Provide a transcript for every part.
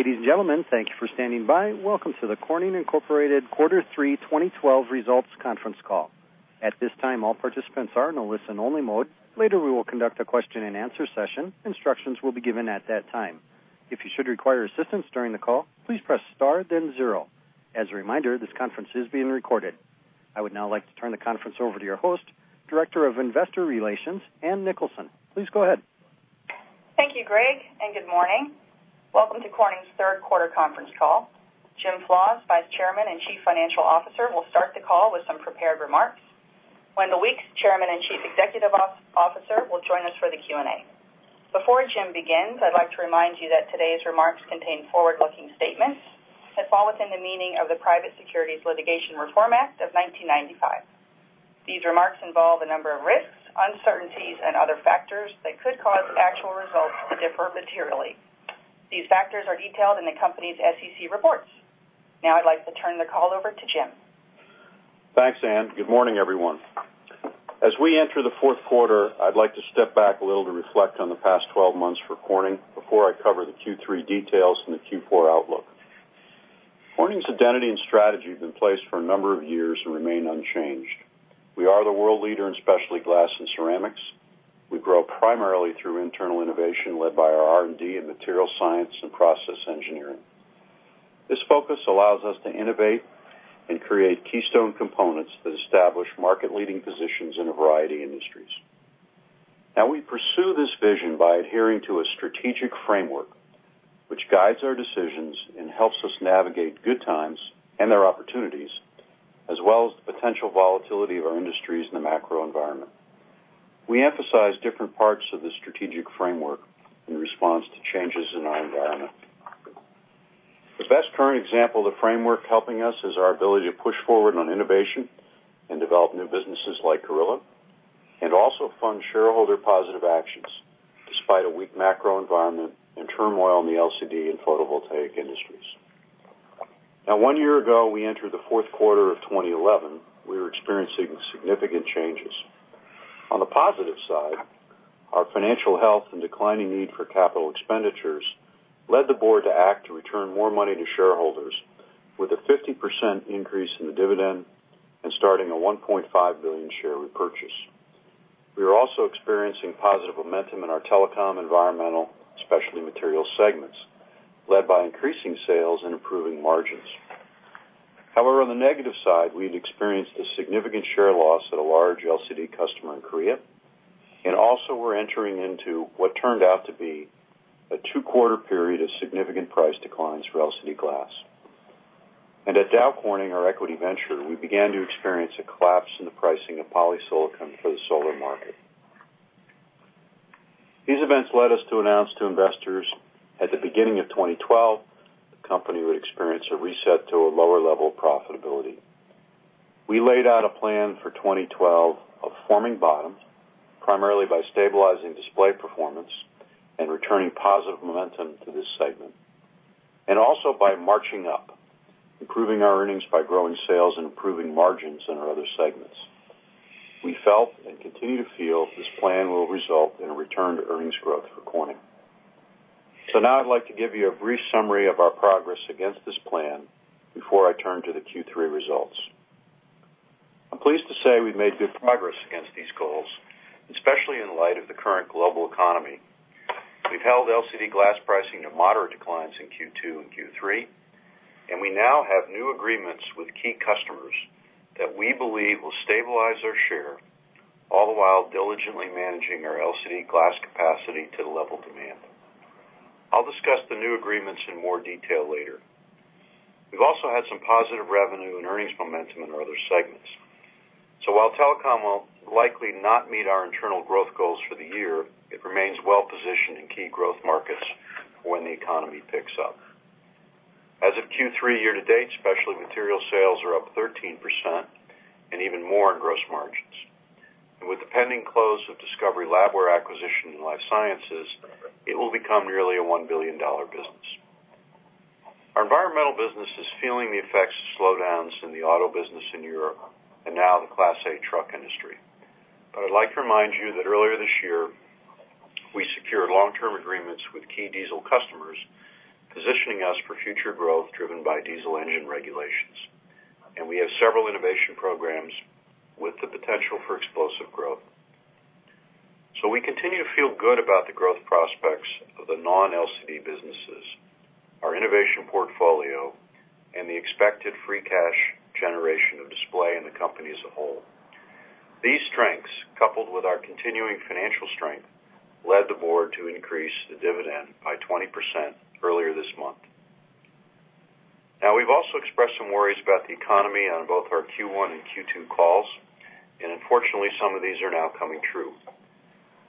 Ladies and gentlemen, thank you for standing by. Welcome to the Corning Incorporated Quarter Three 2012 Results Conference Call. At this time, all participants are in a listen-only mode. Later, we will conduct a question-and-answer session. Instructions will be given at that time. If you should require assistance during the call, please press star then zero. As a reminder, this conference is being recorded. I would now like to turn the conference over to your host, Director of Investor Relations, Ann Nicholson. Please go ahead. Thank you, Greg, and good morning. Welcome to Corning's third quarter conference call. Jim Flaws, Vice Chairman and Chief Financial Officer, will start the call with some prepared remarks. Wendell Weeks, Chairman and Chief Executive Officer, will join us for the Q&A. Before Jim begins, I'd like to remind you that today's remarks contain forward-looking statements that fall within the meaning of the Private Securities Litigation Reform Act of 1995. These remarks involve a number of risks, uncertainties, and other factors that could cause actual results to differ materially. These factors are detailed in the company's SEC reports. I'd like to turn the call over to Jim. Thanks, Ann. Good morning, everyone. As we enter the fourth quarter, I'd like to step back a little to reflect on the past 12 months for Corning before I cover the Q3 details and the Q4 outlook. Corning's identity and strategy have been in place for a number of years and remain unchanged. We are the world leader in specialty glass and ceramics. We grow primarily through internal innovation led by our R&D in material science and process engineering. This focus allows us to innovate and create keystone components that establish market-leading positions in a variety of industries. We pursue this vision by adhering to a strategic framework, which guides our decisions and helps us navigate good times and their opportunities, as well as the potential volatility of our industries in the macro environment. We emphasize different parts of the strategic framework in response to changes in our environment. The best current example of the framework helping us is our ability to push forward on innovation and develop new businesses like Gorilla, and also fund shareholder-positive actions despite a weak macro environment and turmoil in the LCD and photovoltaic industries. One year ago, we entered the fourth quarter of 2011. We were experiencing significant changes. On the positive side, our financial health and declining need for capital expenditures led the board to act to return more money to shareholders with a 50% increase in the dividend and starting a $1.5 billion share repurchase. We were also experiencing positive momentum in our Telecom, Environmental, Specialty Materials segments, led by increasing sales and improving margins. However, on the negative side, we had experienced a significant share loss at a large LCD customer in Korea, and also were entering into what turned out to be a 2-quarter period of significant price declines for LCD glass. At Dow Corning, our equity venture, we began to experience a collapse in the pricing of polysilicon for the solar market. These events led us to announce to investors at the beginning of 2012, the company would experience a reset to a lower level of profitability. We laid out a plan for 2012 of forming bottoms, primarily by stabilizing display performance and returning positive momentum to this segment, and also by marching up, improving our earnings by growing sales and improving margins in our other segments. We felt and continue to feel this plan will result in a return to earnings growth for Corning. Now I'd like to give you a brief summary of our progress against this plan before I turn to the Q3 results. I'm pleased to say we've made good progress against these goals, especially in light of the current global economy. We've held LCD glass pricing to moderate declines in Q2 and Q3, and we now have new agreements with key customers that we believe will stabilize our share, all the while diligently managing our LCD glass capacity to the level of demand. I'll discuss the new agreements in more detail later. We've also had some positive revenue and earnings momentum in our other segments. While telecom will likely not meet our internal growth goals for the year, it remains well-positioned in key growth markets for when the economy picks up. As of Q3 year to date, Specialty Materials sales are up 13% and even more in gross margins. With the pending close of Discovery Labware acquisition in Life Sciences, it will become nearly a $1 billion business. Our Environmental business is feeling the effects of slowdowns in the auto business in Europe and now the Class 8 truck industry. I'd like to remind you that earlier this year, we secured long-term agreements with key diesel customers, positioning us for future growth driven by diesel engine regulations. We have several innovation programs with the potential for explosive growth. We continue to feel good about the growth prospects of the non-LCD businesses, our innovation portfolio, and the expected free cash generation of display in the company as a whole. These strengths, coupled with our continuing financial strength, led the board to increase the dividend by 20% earlier this month. We've also expressed some worries about the economy on both our Q1 and Q2 calls, and unfortunately, some of these are now coming true.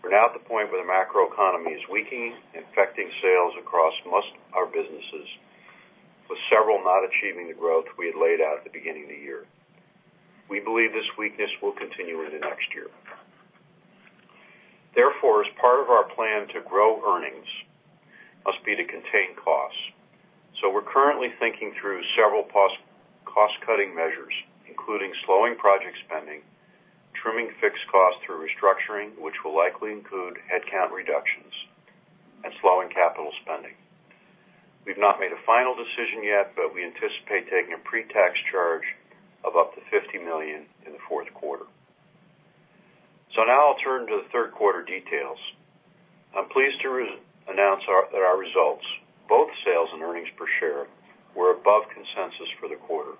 We're now at the point where the macroeconomy is weakening, affecting sales across most of our businesses, with several not achieving the growth we had laid out at the beginning of the year. We believe this weakness will continue into next year. Therefore, as part of our plan to grow earnings, must be to contain costs. We're currently thinking through several cost-cutting measures, including slowing project spending. Trimming fixed costs through restructuring, which will likely include headcount reductions and slowing capital spending. We've not made a final decision yet, but we anticipate taking a pre-tax charge of up to $50 million in the fourth quarter. Now I'll turn to the third quarter details. I'm pleased to announce that our results, both sales and earnings per share, were above consensus for the quarter.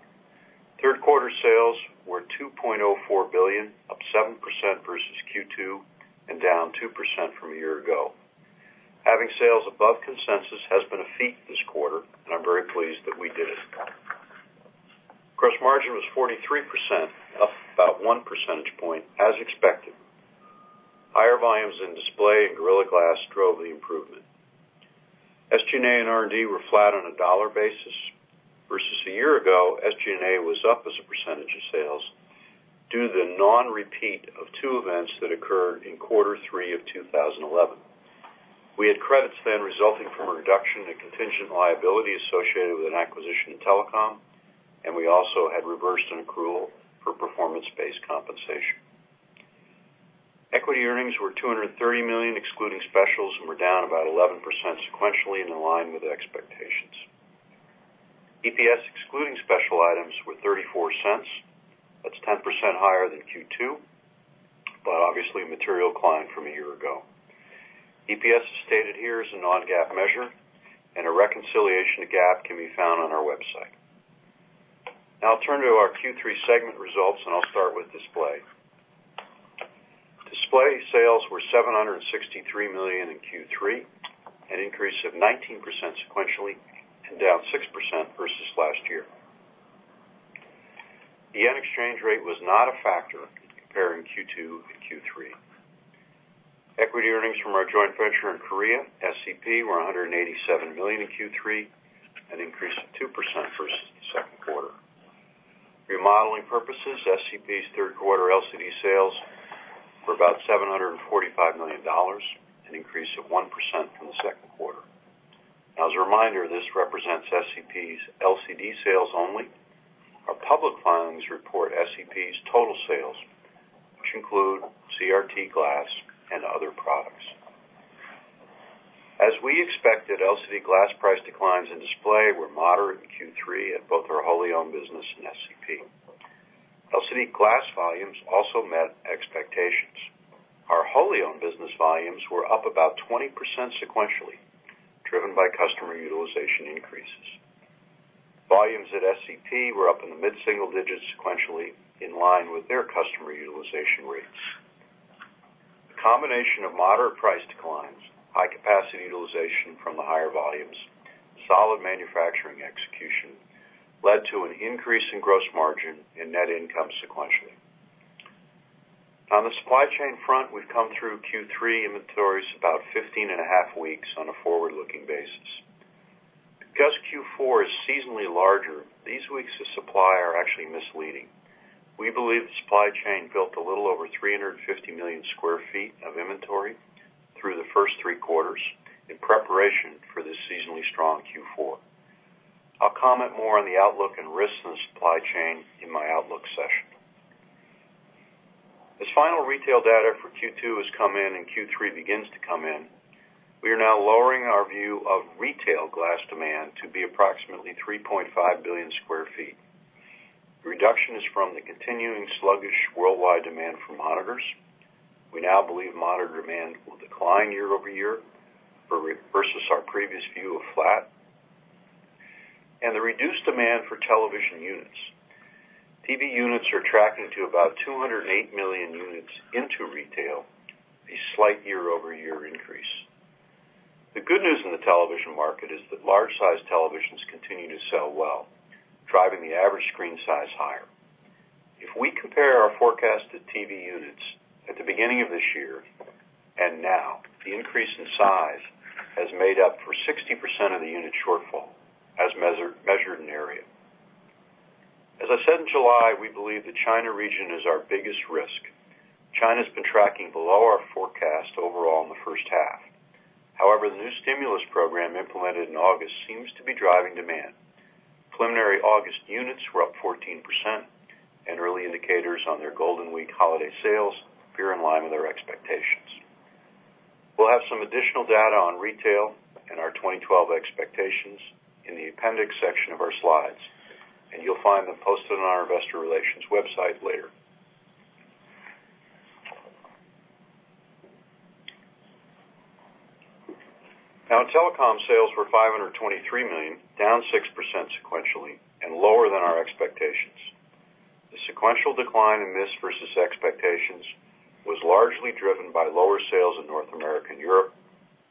Third quarter sales were $2.04 billion, up 7% versus Q2 and down 2% from a year ago. Having sales above consensus has been a feat this quarter, and I'm very pleased that we did it. Gross margin was 43%, up about one percentage point as expected. Higher volumes in Display Technologies and Gorilla Glass drove the improvement. SG&A and R&D were flat on a dollar basis. Versus a year ago, SG&A was up as a percentage of sales due to the non-repeat of two events that occurred in Q3 2011. We had credits then resulting from a reduction in contingent liability associated with an acquisition in telecom, and we also had reversed an accrual for performance-based compensation. Equity earnings were $230 million, excluding specials, and were down about 11% sequentially and in line with expectations. EPS, excluding special items, were $0.34. That's 10% higher than Q2, but obviously a material decline from a year ago. EPS stated here is a non-GAAP measure, and a reconciliation to GAAP can be found on our website. I'll turn to our Q3 segment results, and I'll start with Display Technologies. Display Technologies sales were $763 million in Q3, an increase of 19% sequentially and down 6% versus last year. The yen exchange rate was not a factor comparing Q2 to Q3. Equity earnings from our joint venture in Korea, SCP, were $187 million in Q3, an increase of 2% versus Q2. For modeling purposes, SCP's Q3 LCD sales were about $745 million, an increase of 1% from Q2. As a reminder, this represents SCP's LCD sales only. Our public filings report SCP's total sales, which include CRT glass and other products. As we expected, LCD glass price declines in Display Technologies were moderate in Q3 at both our wholly owned business and SCP. LCD glass volumes also met expectations. Our wholly owned business volumes were up about 20% sequentially, driven by customer utilization increases. Volumes at SCP were up in the mid-single digits sequentially in line with their customer utilization rates. The combination of moderate price declines, high capacity utilization from the higher volumes, solid manufacturing execution led to an increase in gross margin and net income sequentially. On the supply chain front, we've come through Q3 inventories about 15 and a half weeks on a forward-looking basis. Because Q4 is seasonally larger, these weeks of supply are actually misleading. We believe the supply chain built a little over 350 million sq ft of inventory through the first three quarters in preparation for this seasonally strong Q4. I'll comment more on the outlook and risks in the supply chain in my outlook session. As final retail data for Q2 has come in and Q3 begins to come in, we are now lowering our view of retail glass demand to be approximately 3.5 billion sq ft. The reduction is from the continuing sluggish worldwide demand for monitors. We now believe monitor demand will decline year-over-year versus our previous view of flat, and the reduced demand for television units. TV units are tracking to about 208 million units into retail, a slight year-over-year increase. The good news in the television market is that large size televisions continue to sell well, driving the average screen size higher. If we compare our forecast to TV units at the beginning of this year and now, the increase in size has made up for 60% of the unit shortfall as measured in area. As I said in July, we believe the China region is our biggest risk. China's been tracking below our forecast overall in the first half. However, the new stimulus program implemented in August seems to be driving demand. Preliminary August units were up 14%, and early indicators on their Golden Week holiday sales appear in line with their expectations. We'll have some additional data on retail and our 2012 expectations in the appendix section of our slides, and you'll find them posted on our investor relations website later. Now in telecom, sales were $523 million, down 6% sequentially and lower than our expectations. The sequential decline in this versus expectations was largely driven by lower sales in North America and Europe,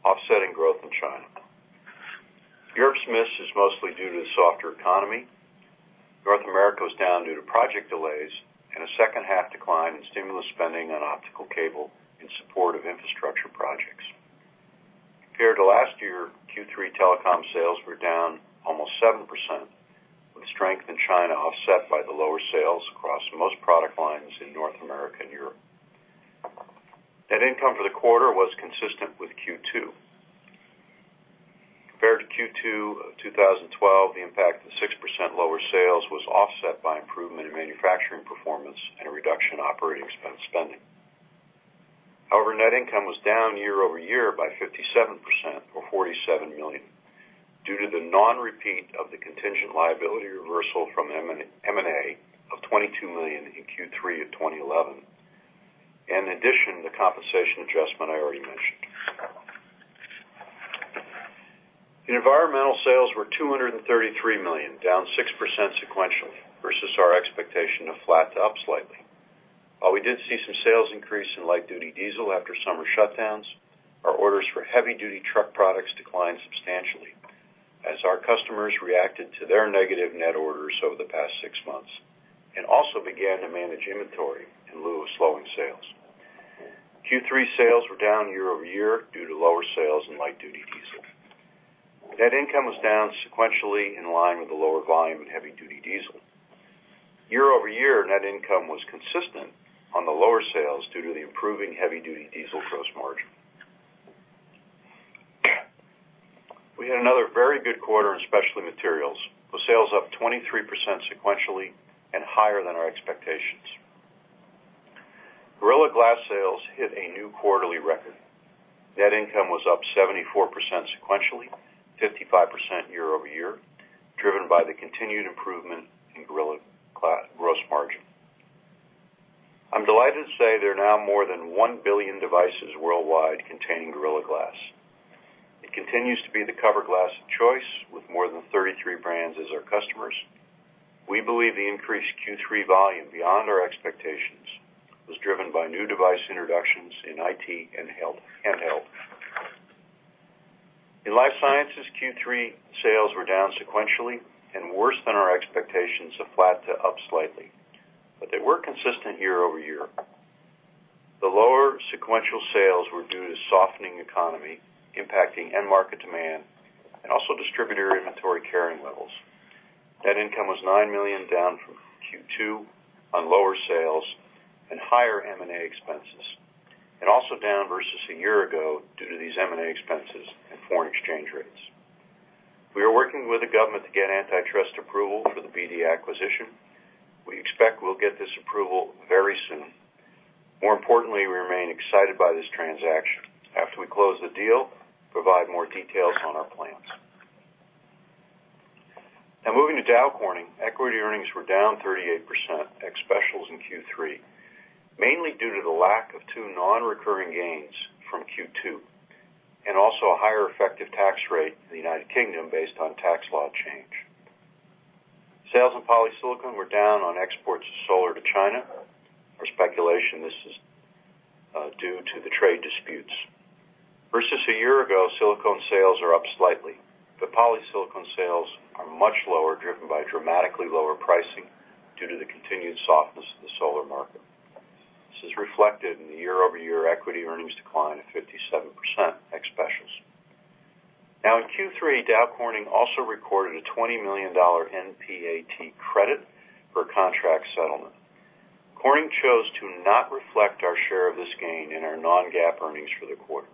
offsetting growth in China. Europe's miss is mostly due to the softer economy. North America was down due to project delays and a second half decline in stimulus spending on optical cable in support of infrastructure projects. Compared to last year, Q3 telecom sales were down almost 7%, with strength in China offset by the lower sales across most product lines in North America and Europe. Net income for the quarter was consistent with Q2. Sales was offset by improvement in manufacturing performance and a reduction in operating expense spending. However, net income was down year-over-year by 57%, or $47 million, due to the non-repeat of the contingent liability reversal from M&A of $22 million in Q3 2011. In addition, the compensation adjustment I already mentioned. Environmental sales were $233 million, down 6% sequentially versus our expectation of flat to up slightly. While we did see some sales increase in light-duty diesel after summer shutdowns, our orders for heavy-duty truck products declined substantially as our customers reacted to their negative net orders over the past six months and also began to manage inventory in lieu of slowing sales. Q3 sales were down year-over-year due to lower sales in light-duty diesel. Net income was down sequentially in line with the lower volume in heavy-duty diesel. Year-over-year, net income was consistent on the lower sales due to the improving heavy-duty diesel gross margin. We had another very good quarter in Specialty Materials, with sales up 23% sequentially and higher than our expectations. Gorilla Glass sales hit a new quarterly record. Net income was up 74% sequentially, 55% year-over-year, driven by the continued improvement in Gorilla Glass gross margin. I'm delighted to say there are now more than 1 billion devices worldwide containing Gorilla Glass. It continues to be the cover glass of choice, with more than 33 brands as our customers. We believe the increased Q3 volume beyond our expectations was driven by new device introductions in IT and handheld. In Life Sciences, Q3 sales were down sequentially and worse than our expectations of flat to up slightly, but they were consistent year-over-year. The lower sequential sales were due to softening economy impacting end market demand and also distributor inventory carrying levels. Net income was $9 million, down from Q2 on lower sales and higher M&A expenses, and also down versus a year ago due to these M&A expenses and foreign exchange rates. We are working with the government to get antitrust approval for the BD acquisition. We expect we will get this approval very soon. More importantly, we remain excited by this transaction. After we close the deal, provide more details on our plans. Moving to Dow Corning. Equity earnings were down 38% ex specials in Q3, mainly due to the lack of two non-recurring gains from Q2 and also a higher effective tax rate in the United Kingdom based on tax law change. Sales in polysilicon were down on exports of solar to China. Our speculation, this is due to the trade disputes. Versus a year ago, silicone sales are up slightly, but polysilicon sales are much lower, driven by dramatically lower pricing due to the continued softness of the solar market. This is reflected in the year-over-year equity earnings decline of 57% ex specials. In Q3, Dow Corning also recorded a $20 million NPAT credit for a contract settlement. Corning chose to not reflect our share of this gain in our non-GAAP earnings for the quarter.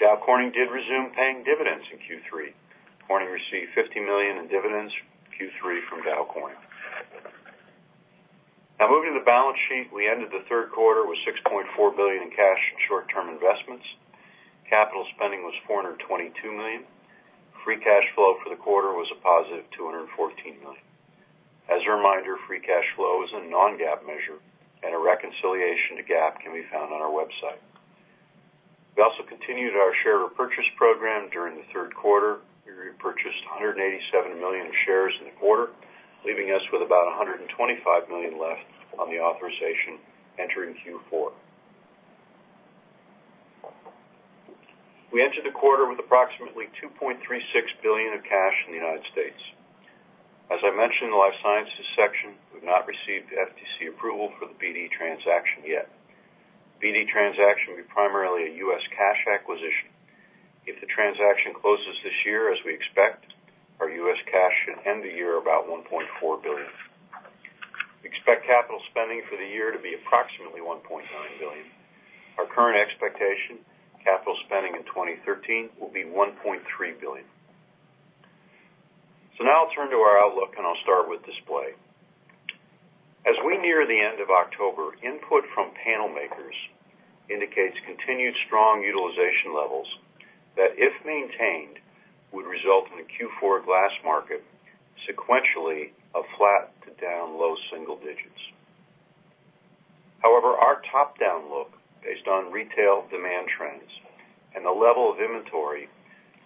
Dow Corning did resume paying dividends in Q3. Corning received $50 million in dividends Q3 from Dow Corning. Moving to the balance sheet. We ended the third quarter with $6.4 billion in cash and short-term investments. Capital spending was $422 million. Free cash flow for the quarter was a positive $214 million. As a reminder, free cash flow is a non-GAAP measure, and a reconciliation to GAAP can be found on our website. We also continued our share repurchase program during the third quarter. We repurchased 187 million shares in the quarter, leaving us with about 125 million left on the authorization entering Q4. We entered the quarter with approximately $2.36 billion of cash in the U.S. As I mentioned in the Life Sciences section, we have not received FTC approval for the BD transaction yet. BD transaction will be primarily a U.S. cash acquisition. If the transaction closes this year, as we expect, our U.S. cash should end the year about $1.4 billion. We expect capital spending for the year to be approximately $1.9 billion. Our current expectation, capital spending in 2013 will be $1.3 billion. I'll turn to our outlook, and I'll start with Display. As we near the end of October, input from panel makers indicates continued strong utilization levels that, if maintained, would result in a Q4 glass market sequentially of flat to down low single digits. However, our top-down look based on retail demand trends and the level of inventory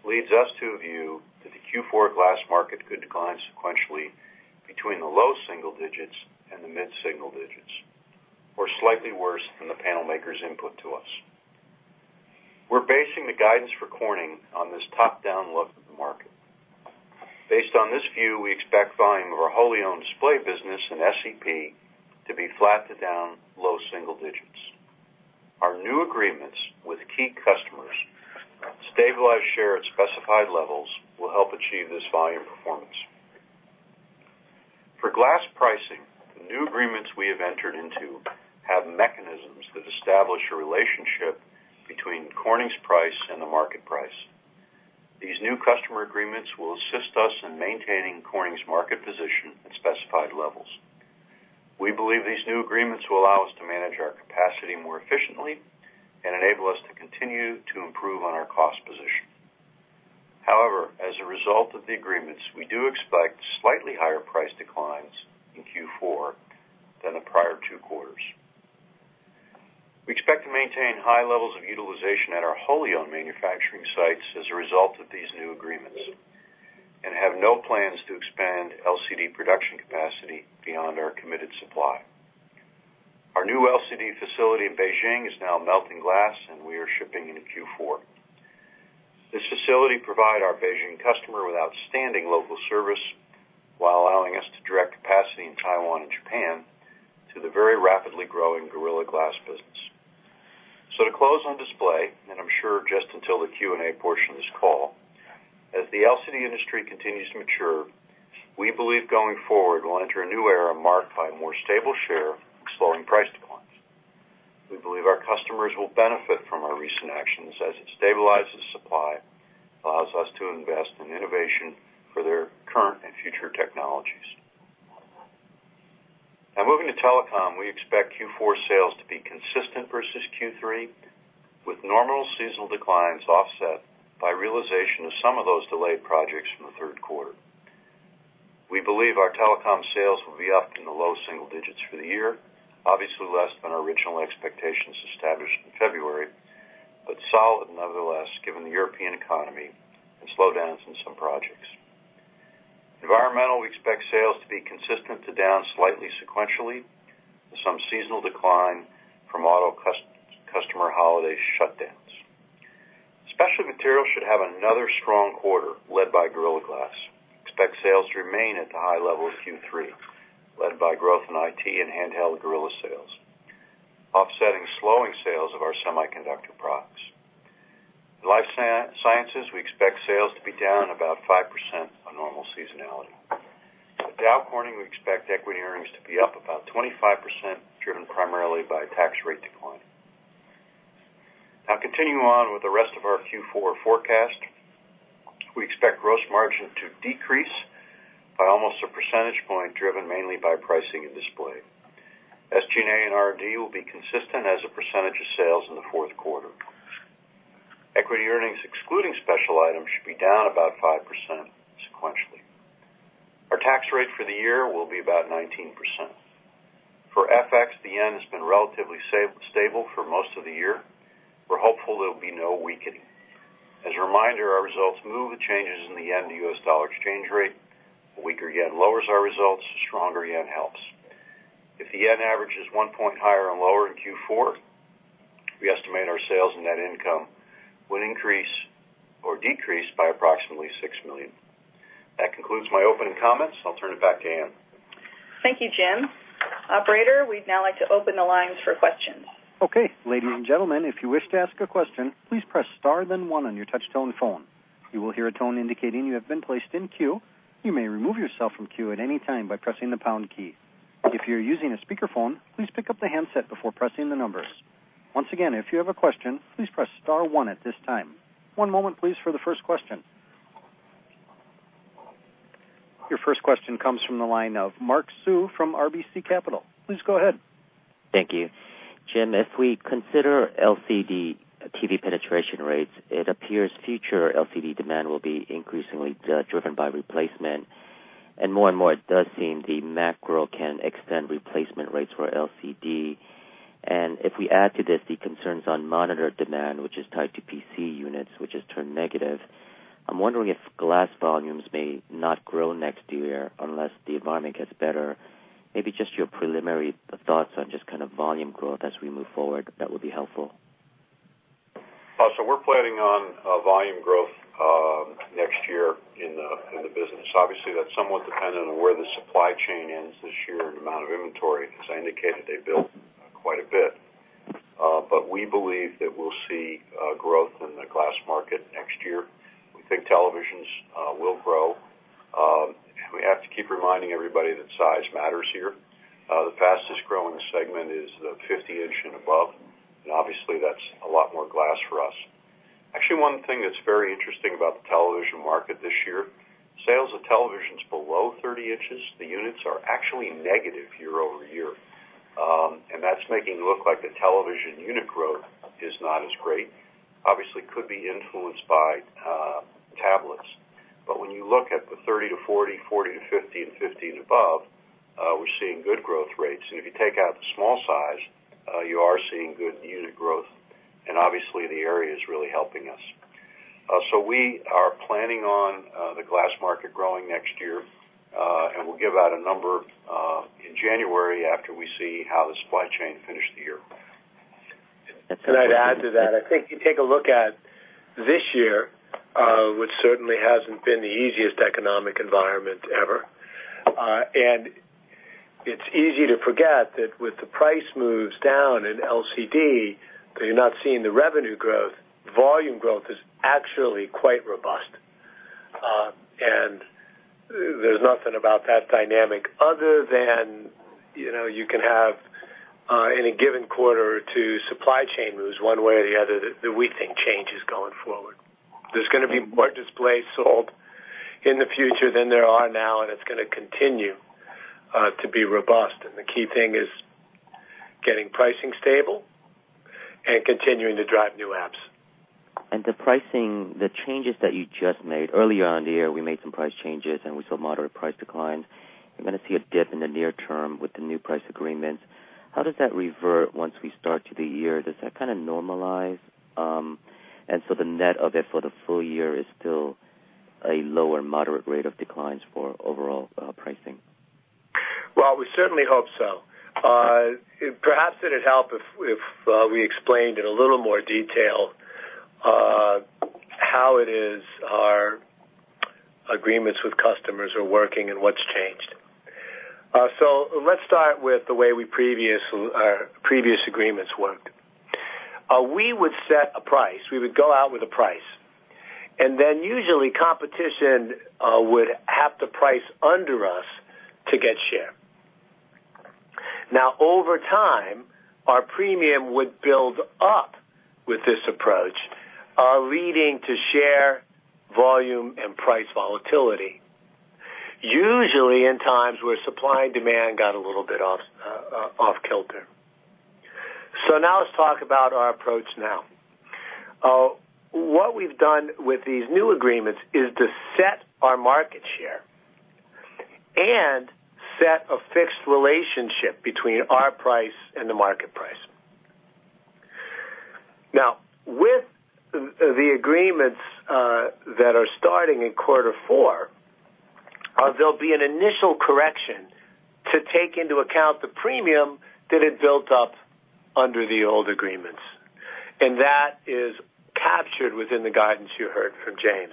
leads us to a view that the Q4 glass market could decline sequentially between the low single digits and the mid-single digits or slightly worse than the panel maker's input to us. We're basing the guidance for Corning on this top-down look at the market. Based on this view, we expect volume of our wholly owned Display business in SCP to be flat to down low single digits. Our new agreements with key customers stabilize share at specified levels will help achieve this volume performance. For glass pricing, the new agreements we have entered into mechanisms that establish a relationship between Corning's price and the market price. These new customer agreements will assist us in maintaining Corning's market position at specified levels. We believe these new agreements will allow us to manage our capacity more efficiently and enable us to continue to improve on our cost position. However, as a result of the agreements, we do expect slightly higher price declines in Q4 than the prior two quarters. We expect to maintain high levels of utilization at our wholly-owned manufacturing sites as a result of these new agreements and have no plans to expand LCD production capacity beyond our committed supply. Our new LCD facility in Beijing is now melting glass, and we are shipping into Q4. This facility provide our Beijing customer with outstanding local service while allowing us to direct capacity in Taiwan and Japan to the very rapidly growing Gorilla Glass business. To close on display, and I'm sure just until the Q&A portion of this call, as the LCD industry continues to mature, we believe going forward, we'll enter a new era marked by more stable share and slowing price declines. We believe our customers will benefit from our recent actions as it stabilizes supply, allows us to invest in innovation for their current and future technologies. Now moving to telecom, we expect Q4 sales to be consistent versus Q3, with normal seasonal declines offset by realization of some of those delayed projects from the third quarter. We believe our telecom sales will be up in the low single digits for the year, obviously less than our original expectations established in February, but solid nevertheless, given the European economy and slowdowns in some projects. Environmental, we expect sales to be consistent to down slightly sequentially with some seasonal decline from auto customer holiday shutdowns. Specialty Materials should have another strong quarter led by Gorilla Glass. Expect sales to remain at the high level of Q3, led by growth in IT and handheld Gorilla sales, offsetting slowing sales of our semiconductor products. Life Sciences, we expect sales to be down about 5% on normal seasonality. At Dow Corning, we expect equity earnings to be up about 25%, driven primarily by tax rate decline. Continuing on with the rest of our Q4 forecast, we expect gross margin to decrease by almost a percentage point, driven mainly by pricing and display. SG&A and R&D will be consistent as a percentage of sales in the fourth quarter. Equity earnings excluding special items should be down about 5% sequentially. Our tax rate for the year will be about 19%. For FX, the yen has been relatively stable for most of the year. We're hopeful there'll be no weakening. As a reminder, our results move with changes in the yen to US dollar exchange rate. A weaker yen lowers our results. A stronger yen helps. If the yen averages one point higher and lower in Q4, we estimate our sales and net income would increase or decrease by approximately $6 million. That concludes my opening comments. I'll turn it back to Ann. Thank you, Jim. Operator, we'd now like to open the lines for questions. Okay. Ladies and gentlemen, if you wish to ask a question, please press star then one on your touch-tone phone. You will hear a tone indicating you have been placed in queue. You may remove yourself from queue at any time by pressing the pound key. If you're using a speakerphone, please pick up the handset before pressing the numbers. Once again, if you have a question, please press star one at this time. One moment please for the first question. Your first question comes from the line of Mark Hsu from RBC Capital. Please go ahead. Thank you. Jim, if we consider LCD TV penetration rates, it appears future LCD demand will be increasingly driven by replacement. More and more, it does seem the macro can extend replacement rates for LCD. If we add to this the concerns on monitor demand, which is tied to PC units, which has turned negative, I'm wondering if glass volumes may not grow next year unless the environment gets better. Maybe just your preliminary thoughts on just volume growth as we move forward, that would be helpful. We're planning on volume growth next year in the business. Obviously, that's somewhat dependent on where the supply chain ends this year and amount of inventory, because I indicated they built quite a bit. We believe that we'll see growth in the glass market next year. We think televisions will grow. We have to keep reminding everybody that size matters here. The fastest-growing segment is the 50 inch and above, and obviously that's a lot more glass for us. Actually, one thing that's very interesting about the television market this year, sales of televisions below 30 inches, the units are actually negative year-over-year. That's making it look like the television unit growth is not as great. Obviously, could be influenced by tablets. When you look at the 30 to 40 to 50, and 50 and above, we're seeing good growth rates. If you take out the small size, you are seeing good unit growth, obviously the area is really helping us. We are planning on the glass market growing next year, we'll give out a number in January after we see how the supply chain finished the year. Can I add to that? I think if you take a look at this year, which certainly hasn't been the easiest economic environment ever, it's easy to forget that with the price moves down in LCD, that you're not seeing the revenue growth. Volume growth is actually quite robust. There's nothing about that dynamic other than you can have, in a given quarter or 2, supply chain moves one way or the other that we think change is going forward. There's going to be more displays sold in the future than there are now, it's going to continue to be robust. The key thing is getting pricing stable and continuing to drive new apps. The pricing, the changes that you just made early on in the year, we made some price changes, we saw moderate price declines. I'm going to see a dip in the near term with the new price agreements. How does that revert once we start to the year? Does that kind of normalize? The net of it for the full year is still a lower moderate rate of declines for overall pricing. Well, we certainly hope so. Perhaps it'd help if we explained in a little more detail how it is our agreements with customers are working and what's changed. Let's start with the way our previous agreements worked. We would set a price. We would go out with a price, then usually competition would have to price under us to get share. Over time, our premium would build up with this approach, leading to share volume and price volatility, usually in times where supply and demand got a little bit off-kilter. Let's talk about our approach now. What we've done with these new agreements is to set our market share and set a fixed relationship between our price and the market price. With the agreements that are starting in quarter four, there'll be an initial correction to take into account the premium that had built up under the old agreements. That is captured within the guidance you heard from James.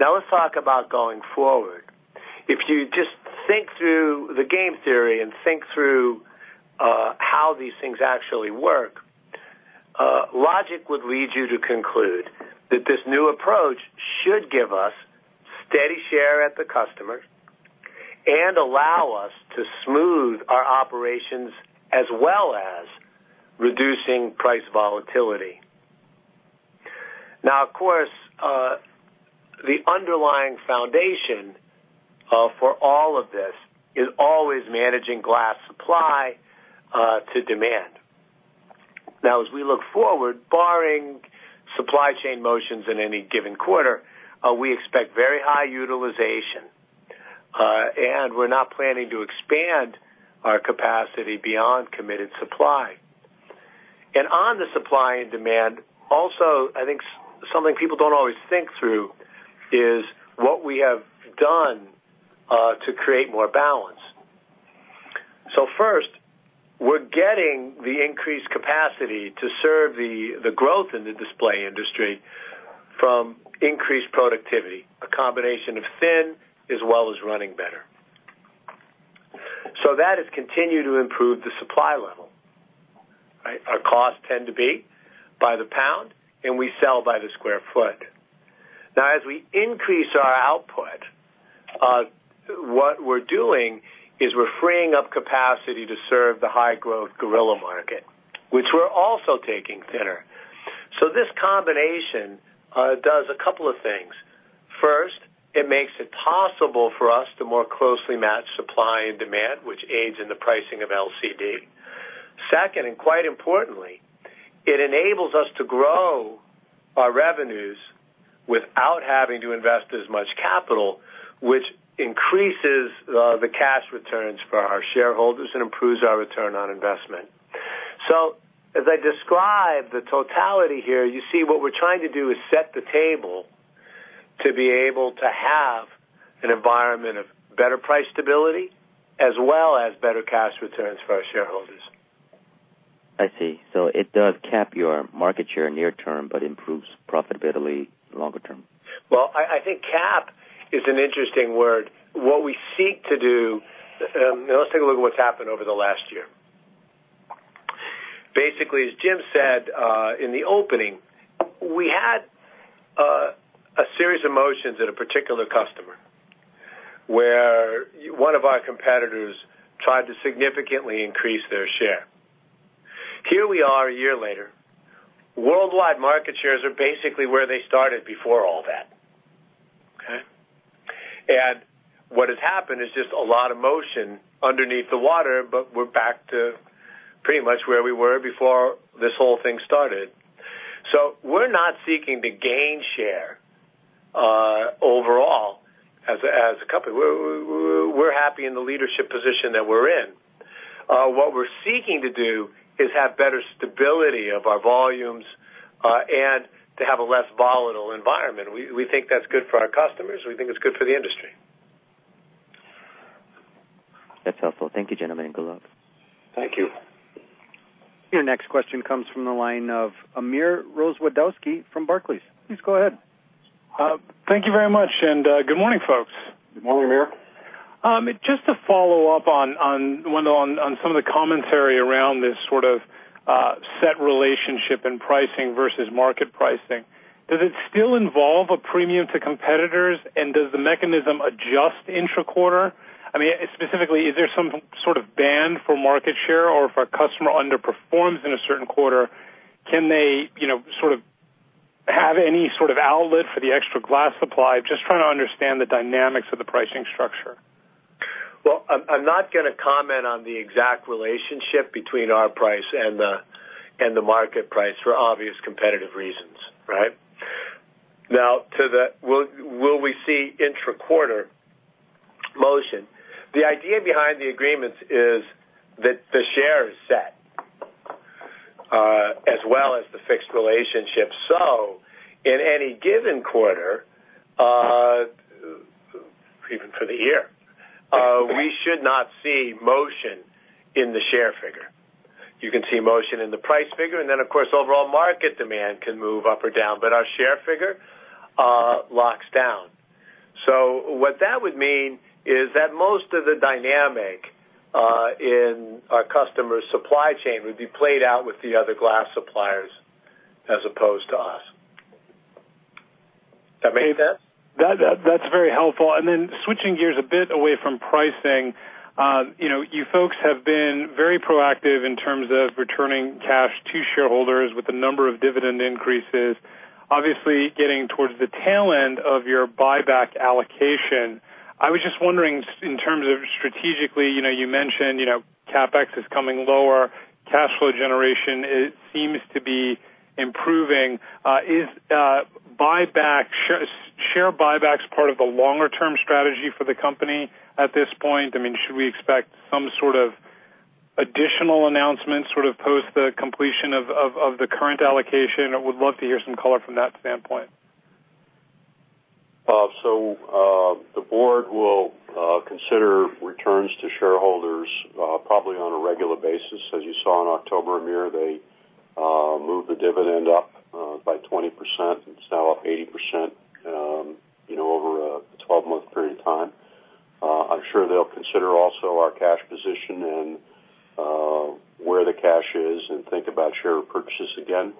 Let's talk about going forward. If you just think through the game theory and think through how these things actually work, logic would lead you to conclude that this new approach should give us steady share at the customer and allow us to smooth our operations as well as reducing price volatility. Of course, the underlying foundation for all of this is always managing glass supply to demand. As we look forward, barring supply chain motions in any given quarter, we expect very high utilization, and we're not planning to expand our capacity beyond committed supply. On the supply and demand, also, I think something people don't always think through is what we have done to create more balance. First, we're getting the increased capacity to serve the growth in the display industry from increased productivity, a combination of thin as well as running better. That has continued to improve the supply level, right? Our costs tend to be by the pound, and we sell by the square foot. As we increase our output, what we're doing is we're freeing up capacity to serve the high-growth Gorilla Glass market, which we're also taking thinner. This combination does a couple of things. First, it makes it possible for us to more closely match supply and demand, which aids in the pricing of LCD. Second, quite importantly, it enables us to grow our revenues without having to invest as much capital, which increases the cash returns for our shareholders and improves our ROI. As I describe the totality here, you see what we're trying to do is set the table to be able to have an environment of better price stability as well as better cash returns for our shareholders. I see. It does cap your market share near term, but improves profitability longer term. Well, I think cap is an interesting word. What we seek to do. Let's take a look at what's happened over the last year. Basically, as Jim said in the opening, we had a series of motions at a particular customer where one of our competitors tried to significantly increase their share. Here we are a year later. Worldwide market shares are basically where they started before all that. Okay? What has happened is just a lot of motion underneath the water, but we're back to pretty much where we were before this whole thing started. We're not seeking to gain share overall as a company. We're happy in the leadership position that we're in. What we're seeking to do is have better stability of our volumes, and to have a less volatile environment. We think that's good for our customers. We think it's good for the industry. That's helpful. Thank you, gentlemen, and good luck. Thank you. Your next question comes from the line of Amir Rozwadowski from Barclays. Please go ahead. Thank you very much, good morning, folks. Good morning, Amir. Just to follow up on Wendell, on some of the commentary around this sort of set relationship and pricing versus market pricing. Does it still involve a premium to competitors? Does the mechanism adjust intra-quarter? Specifically, is there some sort of ban for market share or if a customer underperforms in a certain quarter, can they have any sort of outlet for the extra glass supply? Just trying to understand the dynamics of the pricing structure. Well, I'm not going to comment on the exact relationship between our price and the market price for obvious competitive reasons, right? Now, to the will we see intra-quarter motion? The idea behind the agreements is that the share is set, as well as the fixed relationship. In any given quarter, even for the year, we should not see motion in the share figure. You can see motion in the price figure, and then, of course, overall market demand can move up or down. Our share figure locks down. What that would mean is that most of the dynamic in our customer's supply chain would be played out with the other glass suppliers as opposed to us. That make sense? That's very helpful. Switching gears a bit away from pricing. You folks have been very proactive in terms of returning cash to shareholders with the number of dividend increases. Obviously, getting towards the tail end of your buyback allocation. I was just wondering in terms of strategically, you mentioned CapEx is coming lower, cash flow generation seems to be improving. Is share buybacks part of a longer-term strategy for the company at this point? Should we expect some sort of additional announcement post the completion of the current allocation? I would love to hear some color from that standpoint. The board will consider returns to shareholders probably on a regular basis. As you saw in October, Amir, they moved the dividend up by 20%. It's now up 80% over a 12-month period of time. I'm sure they'll consider also our cash position and where the cash is and think about share purchases again.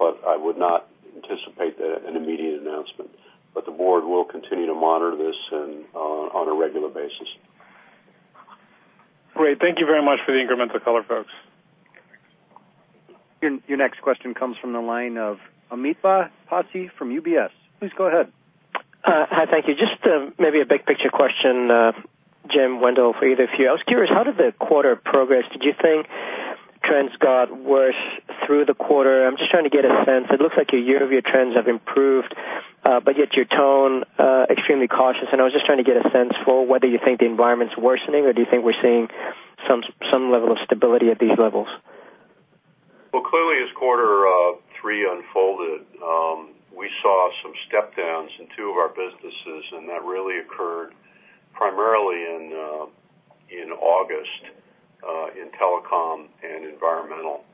I would not anticipate an immediate announcement. The board will continue to monitor this on a regular basis. Great. Thank you very much for the incremental color, folks. Your next question comes from the line of Amitabh Passi from UBS. Please go ahead. Hi, thank you. Just maybe a big picture question, Jim, Wendell, for either of you. I was curious, how did the quarter progress? Did you think trends got worse through the quarter? I'm just trying to get a sense. It looks like your year-over-year trends have improved, yet your tone extremely cautious. I was just trying to get a sense for whether you think the environment's worsening, or do you think we're seeing some level of stability at these levels? Well, clearly as quarter three unfolded, we saw some step downs in two of our businesses. That really occurred primarily in August in telecom and environmental,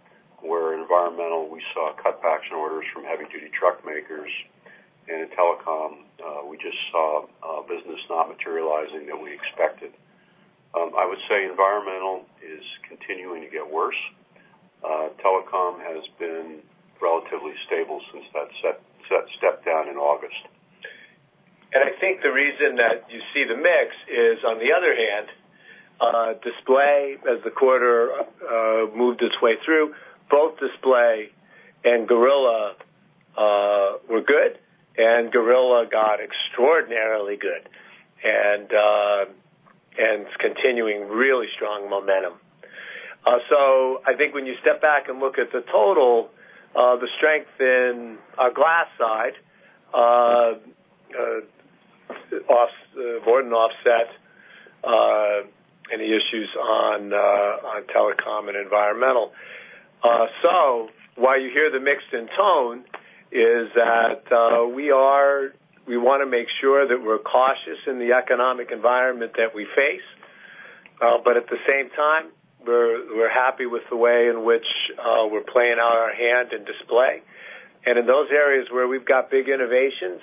where environmental, we saw cutbacks in orders from heavy duty truck makers. In telecom, we just saw business not materializing that we expected. I would say environmental is continuing to get worse. Telecom has been relatively stable since that step down in August. I think the reason that you see the mix is, on the other hand, display as the quarter moved its way through, both display and Gorilla were good. Gorilla got extraordinarily good and continuing really strong momentum. I think when you step back and look at the total, the strength in our glass side more than offset any issues on telecom and environmental. Why you hear the mix in tone is that we want to make sure that we're cautious in the economic environment that we face. At the same time, we're happy with the way in which we're playing out our hand in display. In those areas where we've got big innovations,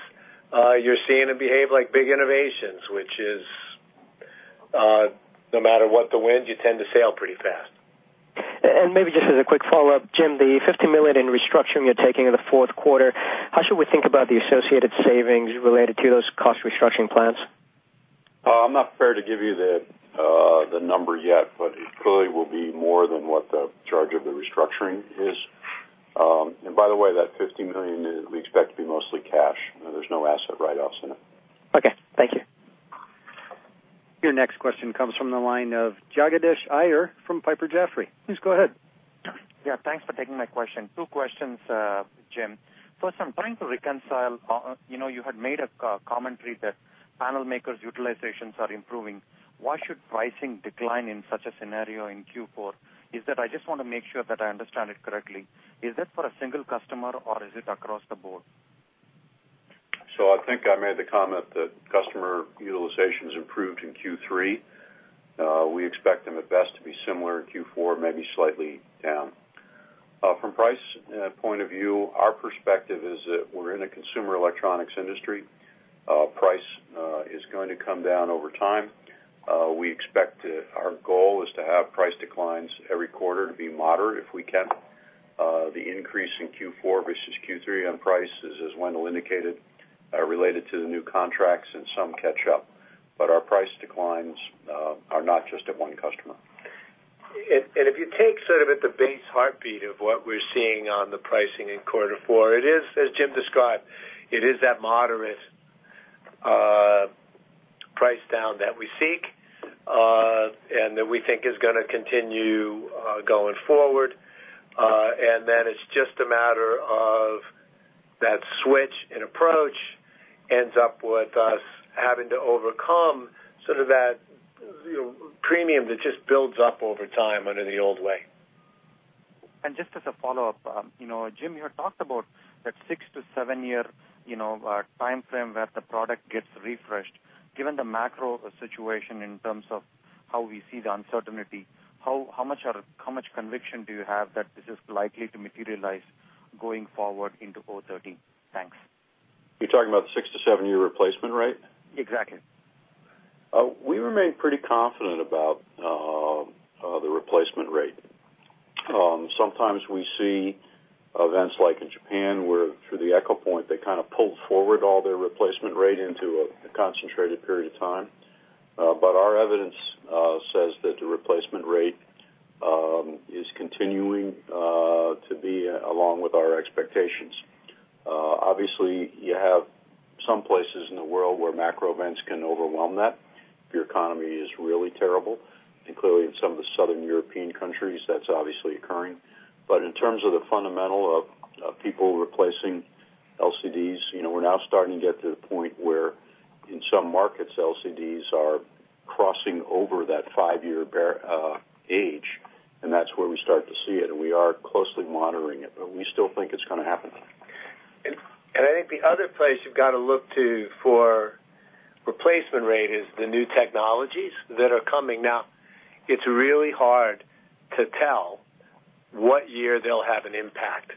you're seeing them behave like big innovations, which is no matter what the wind, you tend to sail pretty fast. Maybe just as a quick follow-up, Jim, the $50 million in restructuring you're taking in the fourth quarter, how should we think about the associated savings related to those cost restructuring plans? I'm not prepared to give you the number yet, it clearly will be more than what the charge of the restructuring is. By the way, that $50 million we expect to be mostly cash. There's no asset write-offs in it. Okay. Thank you. Your next question comes from the line of Jagadish Iyer from Piper Jaffray. Please go ahead. Yeah, thanks for taking my question. Two questions, Jim. First, I'm trying to reconcile, you had made a commentary that panel makers utilizations are improving. Why should pricing decline in such a scenario in Q4? I just want to make sure that I understand it correctly. Is that for a single customer, or is it across the board? I think I made the comment that customer utilizations improved in Q3. We expect them at best to be similar in Q4, maybe slightly down. From price point of view, our perspective is that we are in a consumer electronics industry. Price is going to come down over time. Our goal is to have price declines every quarter to be moderate, if we can. The increase in Q4 versus Q3 on price is, as Wendell indicated, related to the new contracts and some catch-up. Our price declines are not just at one customer. If you take sort of at the base heartbeat of what we are seeing on the pricing in quarter four, as Jim described, it is that moderate price down that we seek, and that we think is going to continue going forward. Then it is just a matter of that switch in approach ends up with us having to overcome sort of that premium that just builds up over time under the old way. Just as a follow-up, Jim, you had talked about that six- to seven-year timeframe where the product gets refreshed. Given the macro situation in terms of how we see the uncertainty, how much conviction do you have that this is likely to materialize going forward into O13? Thanks. You are talking about the six- to seven-year replacement rate? Exactly. We remain pretty confident about the replacement rate. Sometimes we see events like in Japan, where through the echo point, they kind of pulled forward all their replacement rate into a concentrated period of time. Our evidence says that the replacement rate is continuing to be along with our expectations. Obviously, you have some places in the world where macro events can overwhelm that. If your economy is really terrible, and clearly in some of the Southern European countries, that's obviously occurring. In terms of the fundamental of people replacing LCDs, we're now starting to get to the point where in some markets, LCDs are crossing over that five-year age, and that's where we start to see it, and we are closely monitoring it, but we still think it's going to happen. I think the other place you've got to look to for replacement rate is the new technologies that are coming. Now, it's really hard to tell what year they'll have an impact.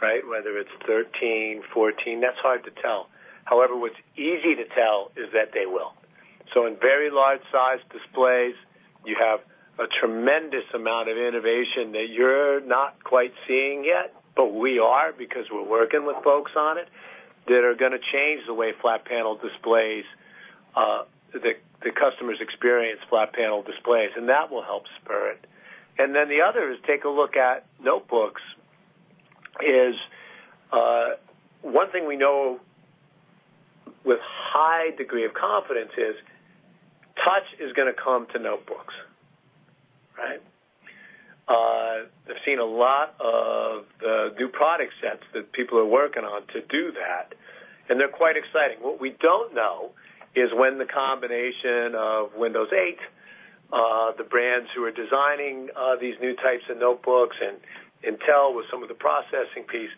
Whether it's 2013, 2014, that's hard to tell. However, what's easy to tell is that they will. In very large size displays, you have a tremendous amount of innovation that you're not quite seeing yet, but we are because we're working with folks on it, that are going to change the way the customers experience flat panel displays, and that will help spur it. Then the other is take a look at notebooks, is one thing we know with high degree of confidence is touch is going to come to notebooks. I've seen a lot of the new product sets that people are working on to do that, and they're quite exciting. What we don't know is when the combination of Windows 8, the brands who are designing these new types of notebooks, and Intel with some of the processing piece,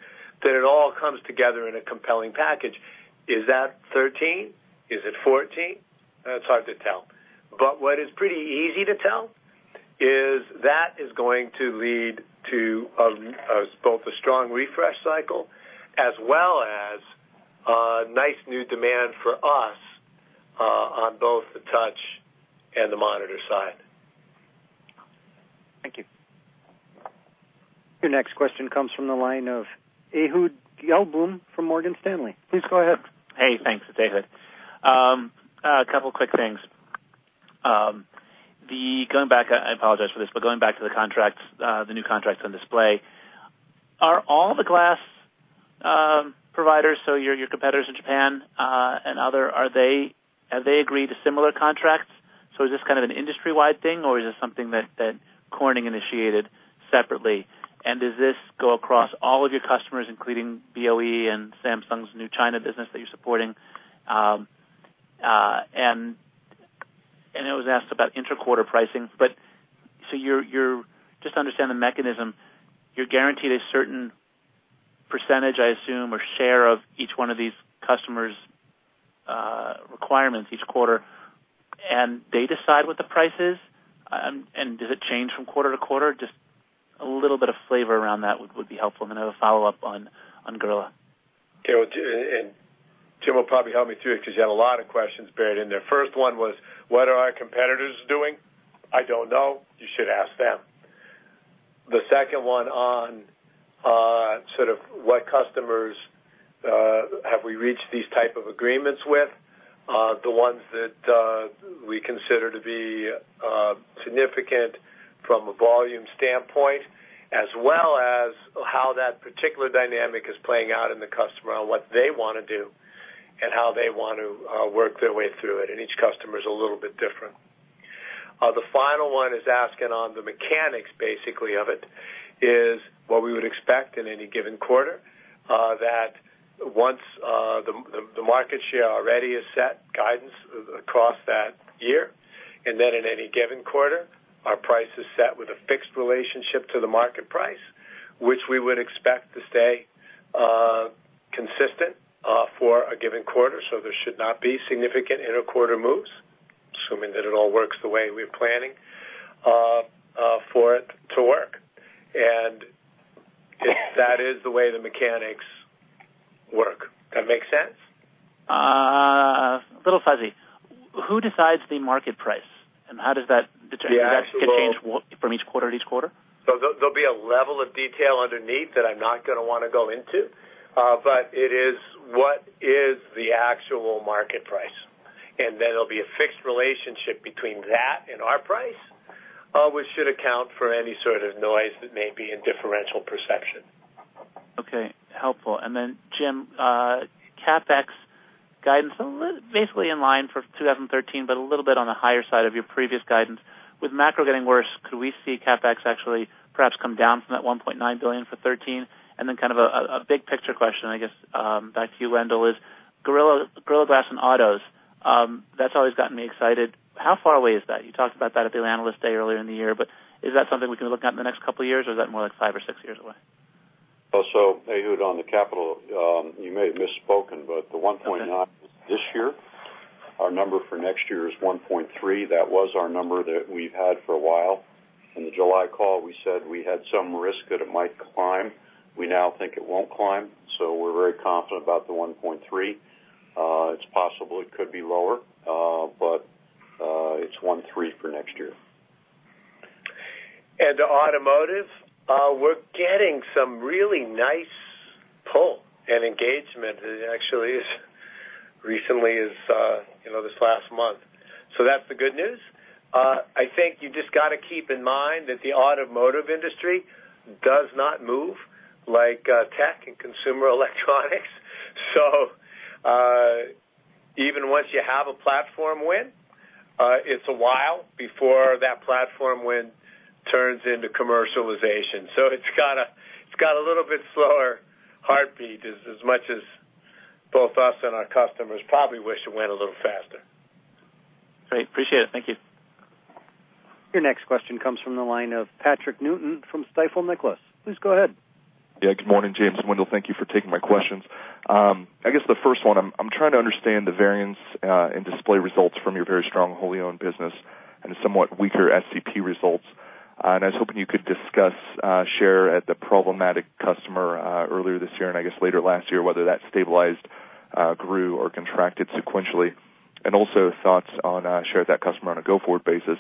that it all comes together in a compelling package. Is that 2013? Is it 2014? It's hard to tell. What is pretty easy to tell is that is going to lead to both a strong refresh cycle as well as a nice new demand for us on both the touch and the monitor side. Thank you. Your next question comes from the line of Ehud Gelblum from Morgan Stanley. Please go ahead. Hey, thanks. It's Ehud. A couple quick things. I apologize for this. Going back to the new contracts on display. Are all the glass providers, so your competitors in Japan, and other, have they agreed to similar contracts? Is this kind of an industry-wide thing, or is this something that Corning initiated separately? Does this go across all of your customers, including BOE and Samsung's new China business that you're supporting? I know it was asked about inter-quarter pricing, but just to understand the mechanism, you're guaranteed a certain percentage, I assume, or share of each one of these customers' requirements each quarter, and they decide what the price is? Does it change from quarter to quarter? Just a little bit of flavor around that would be helpful, and then I have a follow-up on Gorilla. Okay. Jim will probably help me through it because you have a lot of questions buried in there. First one was, what are our competitors doing? I don't know. You should ask them. The second one on sort of what customers have we reached these type of agreements with, the ones that we consider to be significant from a volume standpoint, as well as how that particular dynamic is playing out in the customer on what they want to do and how they want to work their way through it, and each customer is a little bit different. The final one is asking on the mechanics basically of it is what we would expect in any given quarter, that once the market share already is set guidance across that year, then in any given quarter, our price is set with a fixed relationship to the market price, which we would expect to stay for a given quarter, so there should not be significant inter-quarter moves, assuming that it all works the way we're planning for it to work. If that is the way the mechanics work. That make sense? A little fuzzy. Who decides the market price and how does that determine? Does that change from each quarter to each quarter? There'll be a level of detail underneath that I'm not going to want to go into. It is, what is the actual market price? Then there'll be a fixed relationship between that and our price, which should account for any sort of noise that may be in differential perception. Okay. Helpful. Jim, CapEx guidance, basically in line for 2013, but a little bit on the higher side of your previous guidance. With macro getting worse, could we see CapEx actually perhaps come down from that $1.9 billion for 2013? Then kind of a big picture question, I guess, back to you, Wendell, is Gorilla Glass and autos. That's always gotten me excited. How far away is that? You talked about that at the Analyst Day earlier in the year, but is that something we can look at in the next couple of years, or is that more like five or six years away? Also, Ehud, on the capital, you may have misspoken, but the $1.9 is this year. Our number for next year is $1.3. That was our number that we've had for a while. In the July call, we said we had some risk that it might climb. We now think it won't climb, so we're very confident about the $1.3. It's possible it could be lower, but it's $1.3 for next year. To automotive, we're getting some really nice pull and engagement, actually, as recently as this last month. That's the good news. I think you just got to keep in mind that the automotive industry does not move like tech and consumer electronics. Even once you have a platform win, it's a while before that platform win turns into commercialization. It's got a little bit slower heartbeat, as much as both us and our customers probably wish it went a little faster. Great. Appreciate it. Thank you. Your next question comes from the line of Patrick Newton from Stifel Nicolaus. Please go ahead. Good morning, James and Wendell. Thank you for taking my questions. I guess the first one, I'm trying to understand the variance in Display Technologies results from your very strong wholly-owned business and somewhat weaker SCP results. I was hoping you could discuss share at the problematic customer earlier this year and I guess later last year, whether that stabilized, grew, or contracted sequentially. Also thoughts on share at that customer on a go-forward basis.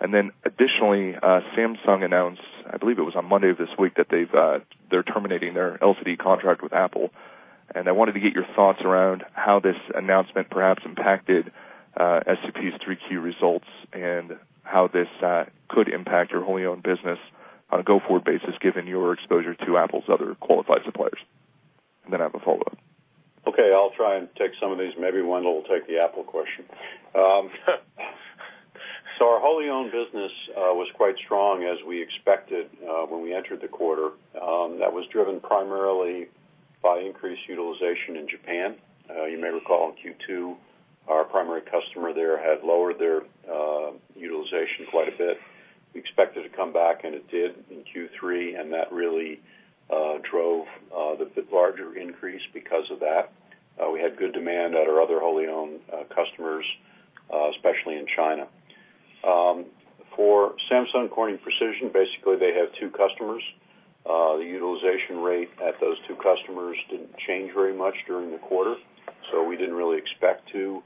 Additionally, Samsung announced, I believe it was on Monday this week, that they're terminating their LCD contract with Apple, and I wanted to get your thoughts around how this announcement perhaps impacted SCP's 3Q results and how this could impact your wholly-owned business on a go-forward basis, given your exposure to Apple's other qualified suppliers. I have a follow-up. Okay, I'll try and take some of these, maybe Wendell will take the Apple question. Our wholly-owned business was quite strong as we expected when we entered the quarter. That was driven primarily by increased utilization in Japan. You may recall in Q2, our primary customer there had lowered their utilization quite a bit. We expected it to come back, and it did in Q3, and that really drove the larger increase because of that. We had good demand at our other wholly-owned customers, especially in China. For Samsung Corning Precision, basically they have two customers. The utilization rate at those two customers didn't change very much during the quarter, so we didn't really expect to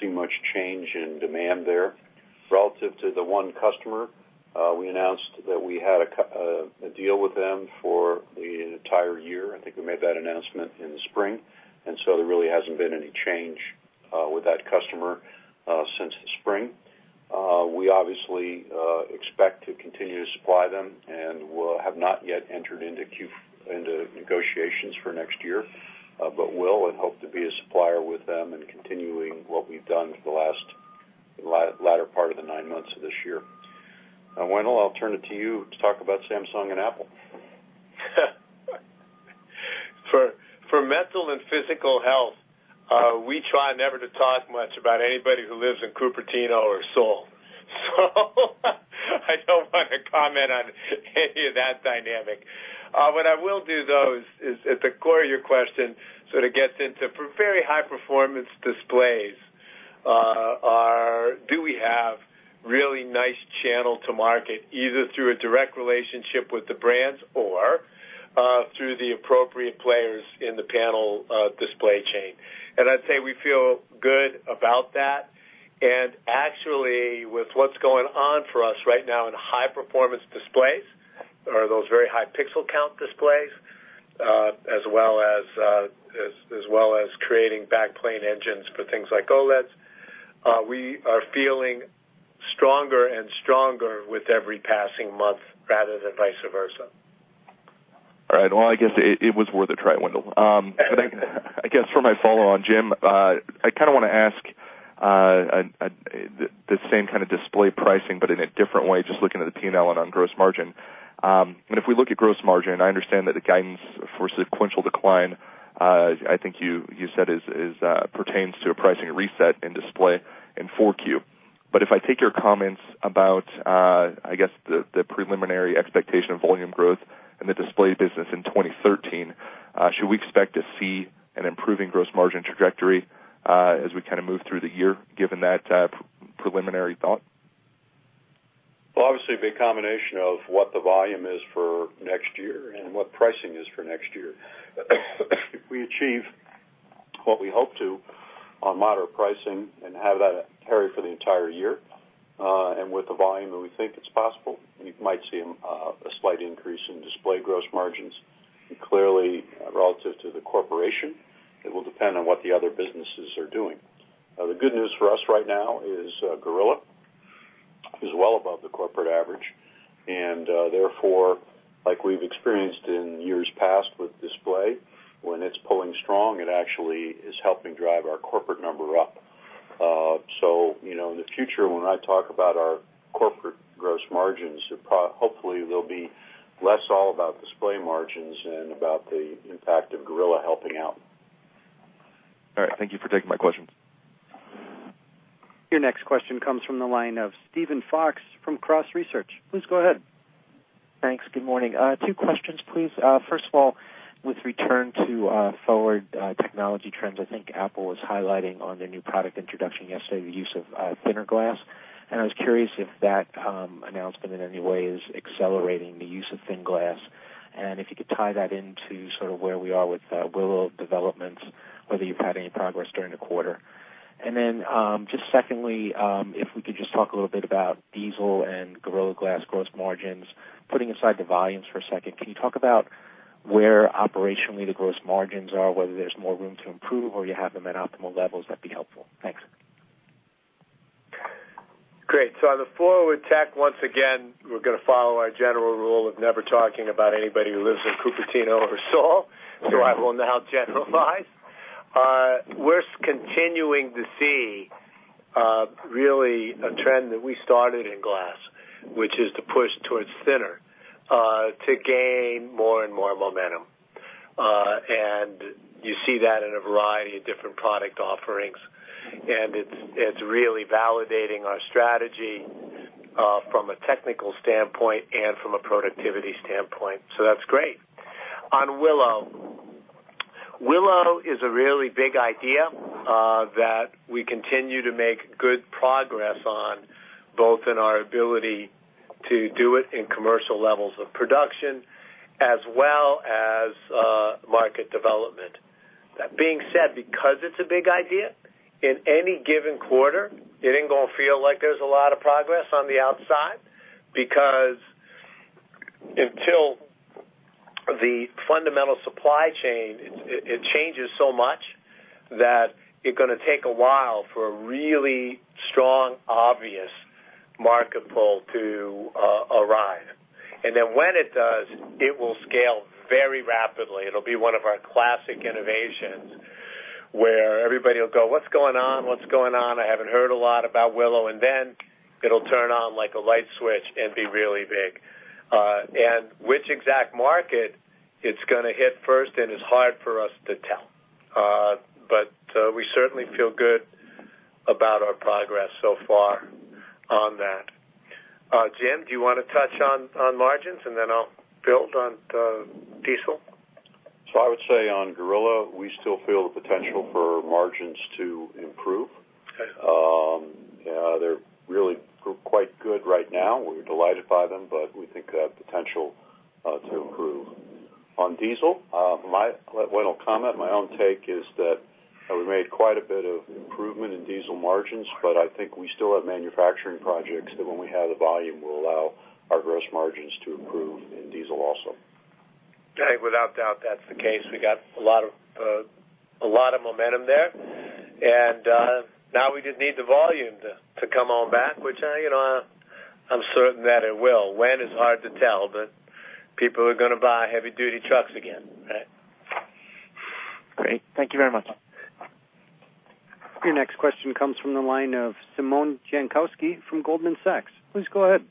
see much change in demand there. Relative to the one customer, we announced that we had a deal with them for the entire year. I think we made that announcement in the spring, there really hasn't been any change with that customer since the spring. We obviously expect to continue to supply them and have not yet entered into negotiations for next year, but will and hope to be a supplier with them and continuing what we've done for the latter part of the nine months of this year. Wendell, I'll turn it to you to talk about Samsung and Apple. For mental and physical health, we try never to talk much about anybody who lives in Cupertino or Seoul. I don't want to comment on any of that dynamic. What I will do, though, is at the core of your question, sort of gets into very high-performance displays, do we have really nice channel to market, either through a direct relationship with the brands or through the appropriate players in the panel display chain. I'd say we feel good about that. Actually, with what's going on for us right now in high-performance displays or those very high pixel count displays, as well as creating back plane engines for things like OLEDs, we are feeling stronger and stronger with every passing month rather than vice versa. All right. Well, I guess it was worth a try, Wendell. I guess for my follow on, Jim, I kind of want to ask the same kind of display pricing but in a different way, just looking at the P&L and on gross margin. If we look at gross margin, I understand that the guidance for sequential decline, I think you said it pertains to a pricing reset in display in 4Q. If I take your comments about, I guess, the preliminary expectation of volume growth in the display business in 2013, should we expect to see an improving gross margin trajectory as we move through the year, given that preliminary thought? Obviously, it'll be a combination of what the volume is for next year and what pricing is for next year. If we achieve what we hope to on moderate pricing and have that carry for the entire year, and with the volume that we think it's possible, you might see a slight increase in Display gross margins. Clearly, relative to the corporation, it will depend on what the other businesses are doing. The good news for us right now is Gorilla is well above the corporate average, and therefore, like we've experienced in years past with Display, when it's pulling strong, it actually is helping drive our corporate number up. In the future, when I talk about our corporate gross margins, hopefully they'll be less all about Display margins and about the impact of Gorilla helping out. All right. Thank you for taking my question. Your next question comes from the line of Steven Fox from Cross Research. Please go ahead. Thanks. Good morning. Two questions, please. First of all, with return to forward technology trends, I think Apple was highlighting on their new product introduction yesterday, the use of thinner glass, and I was curious if that announcement in any way is accelerating the use of thin glass, and if you could tie that into sort of where we are with Willow developments, whether you've had any progress during the quarter. Secondly, if we could just talk a little bit about diesel and Gorilla Glass gross margins. Putting aside the volumes for a second, can you talk about where operationally the gross margins are, whether there's more room to improve or you have them at optimal levels? That'd be helpful. Thanks. Great. On the forward tech, once again, we're going to follow our general rule of never talking about anybody who lives in Cupertino or Seoul. I will now generalize. We're continuing to see, really, a trend that we started in glass, which is to push towards thinner, to gain more and more momentum. You see that in a variety of different product offerings, and it's really validating our strategy, from a technical standpoint and from a productivity standpoint. That's great. On Willow. Willow is a really big idea that we continue to make good progress on, both in our ability to do it in commercial levels of production, as well as market development. That being said, because it's a big idea, in any given quarter, it ain't going to feel like there's a lot of progress on the outside, because until the fundamental supply chain, it changes so much that you're going to take a while for a really strong, obvious market pull to arrive. Then when it does, it will scale very rapidly. It'll be one of our classic innovations where everybody will go, "What's going on? I haven't heard a lot about Willow." Then it'll turn on like a light switch and be really big. Which exact market it's going to hit first in is hard for us to tell. We certainly feel good about our progress so far on that. Jim, do you want to touch on margins, and then I'll build on diesel? I would say on Gorilla, we still feel the potential for margins to improve. Okay. They're really quite good right now. We're delighted by them, we think they have potential to improve. On diesel, one comment, my own take is that we made quite a bit of improvement in diesel margins, I think we still have manufacturing projects that when we have the volume, will allow our gross margins to improve in diesel also. Okay. Without doubt, that's the case. We got a lot of momentum there. Now we just need the volume to come on back, which I'm certain that it will. When is hard to tell, people are going to buy heavy duty trucks again. Great. Thank you very much. Your next question comes from the line of Simona Jankowski from Goldman Sachs. Please go ahead.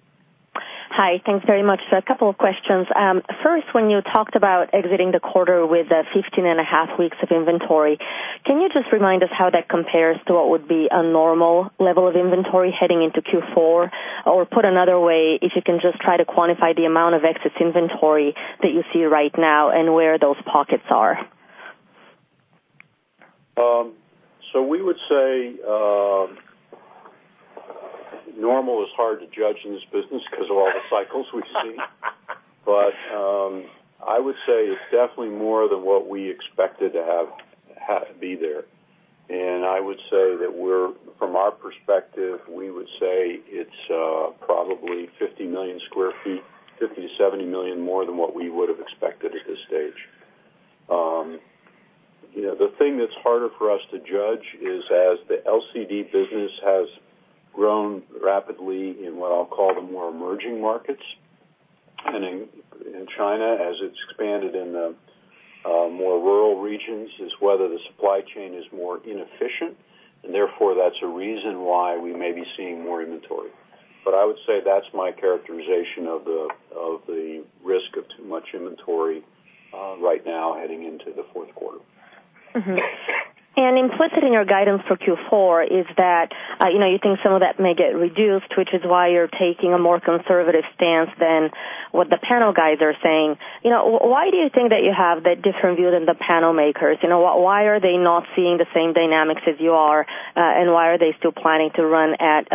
Hi. Thanks very much. A couple of questions. First, when you talked about exiting the quarter with 15 and a half weeks of inventory, can you just remind us how that compares to what would be a normal level of inventory heading into Q4? Put another way, if you can just try to quantify the amount of exit inventory that you see right now and where those pockets are. We would say, normal is hard to judge in this business because of all the cycles we've seen. I would say it's definitely more than what we expected to have to be there. I would say that from our perspective, we would say it's probably 50 million sq ft, 50 million-70 million more than what we would have expected at this stage. The thing that's harder for us to judge is as the LCD business has grown rapidly in what I'll call the more emerging markets, and in China as it's expanded in the more rural regions, is whether the supply chain is more inefficient, and therefore, that's a reason why we may be seeing more. I would say that's my characterization of the risk of too much inventory right now heading into the fourth quarter. Implicit in your guidance for Q4 is that you think some of that may get reduced, which is why you're taking a more conservative stance than what the panel guys are saying. Why do you think that you have that different view than the panel makers? Why are they not seeing the same dynamics as you are? Why are they still planning to run at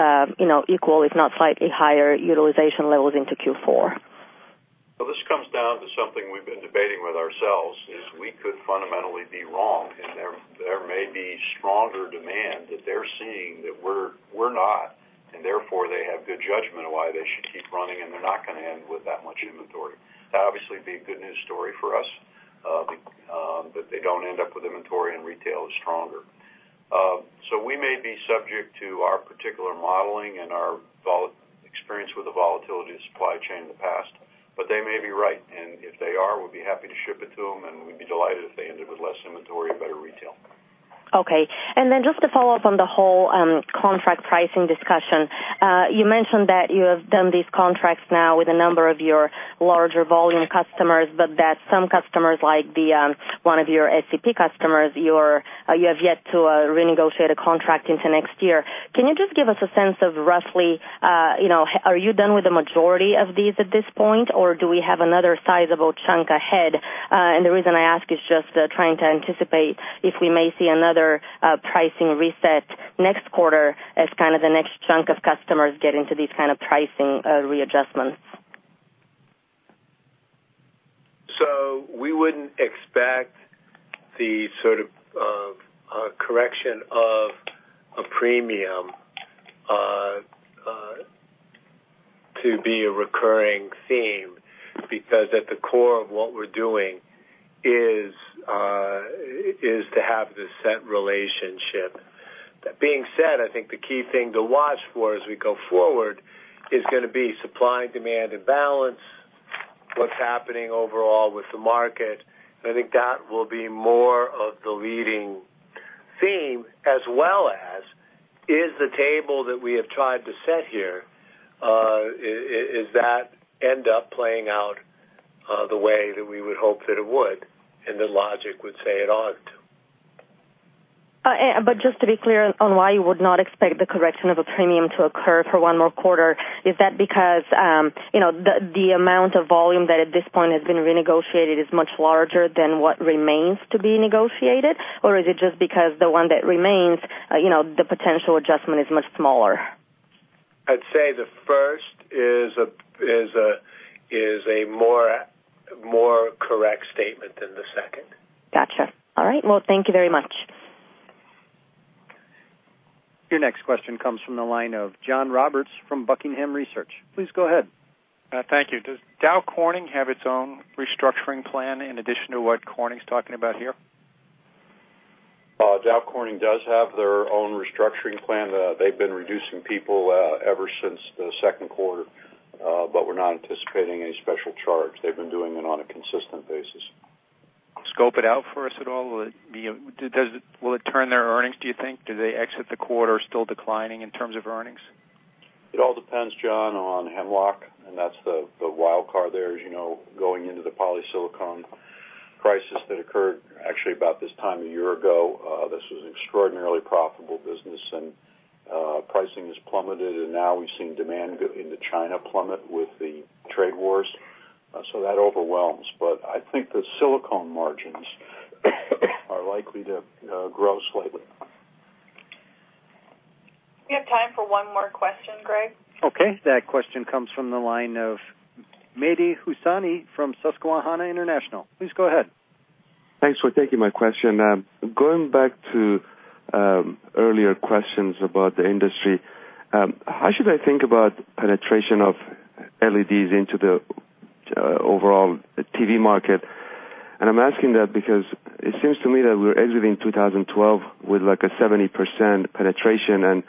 equal, if not slightly higher utilization levels into Q4? This comes down to something we've been debating with ourselves, is we could fundamentally be wrong, and there may be stronger demand that they're seeing that we're not, and therefore, they have good judgment why they should keep running, and they're not going to end with that much inventory. That obviously would be a good news story for us. That they don't end up with inventory and retail is stronger. We may be subject to our particular modeling and our experience with the volatility of the supply chain in the past. They may be right, and if they are, we'll be happy to ship it to them, and we'd be delighted if they ended with less inventory and better retail. Okay. Just to follow up on the whole contract pricing discussion. You mentioned that you have done these contracts now with a number of your larger volume customers, but that some customers like one of your SCP customers, you have yet to renegotiate a contract into next year. Can you just give us a sense of roughly, are you done with the majority of these at this point, or do we have another sizable chunk ahead? The reason I ask is just trying to anticipate if we may see another pricing reset next quarter as kind of the next chunk of customers get into these kind of pricing readjustments. We wouldn't expect the sort of correction of a premium to be a recurring theme, because at the core of what we're doing is to have this set relationship. That being said, I think the key thing to watch for as we go forward is going to be supply and demand and balance, what's happening overall with the market. I think that will be more of the leading theme, as well as, is the table that we have tried to set here, is that end up playing out the way that we would hope that it would? The logic would say it ought to. Just to be clear on why you would not expect the correction of a premium to occur for one more quarter. Is that because the amount of volume that at this point has been renegotiated is much larger than what remains to be negotiated? Or is it just because the one that remains, the potential adjustment is much smaller? I'd say the first is a more correct statement than the second. Got you. All right. Well, thank you very much. Your next question comes from the line of John Roberts from Buckingham Research. Please go ahead. Thank you. Does Dow Corning have its own restructuring plan in addition to what Corning's talking about here? Dow Corning does have their own restructuring plan. They've been reducing people ever since the second quarter. We're not anticipating any special charge. They've been doing it on a consistent basis. Scope it out for us at all? Will it turn their earnings, do you think? Do they exit the quarter still declining in terms of earnings? It all depends, John, on Hemlock, that's the wild card there. As you know, going into the polysilicon crisis that occurred actually about this time a year ago. This was an extraordinarily profitable business, pricing has plummeted, now we've seen demand in China plummet with the trade wars. That overwhelms. I think the silicone margins are likely to grow slightly. We have time for one more question, Greg. Okay. That question comes from the line of Mehdi Hosseini from Susquehanna Financial Group. Please go ahead. Thanks for taking my question. Going back to earlier questions about the industry. How should I think about penetration of LEDs into the overall TV market? I'm asking that because it seems to me that we're exiting 2012 with like a 70% penetration.